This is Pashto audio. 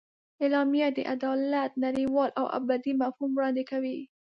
اعلامیه د عدالت نړیوال او ابدي مفهوم وړاندې کوي.